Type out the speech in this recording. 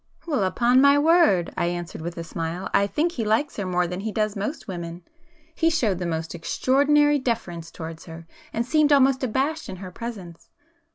"Well, upon my word," I answered with a smile—"I think he likes her more than he does most women! He showed the most extraordinary deference towards her, and seemed almost abashed in her presence.